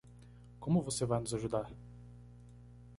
Como você vai nos ajudar?